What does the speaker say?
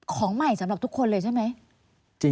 ของใหม่สำหรับทุกคนเลยใช่ไหม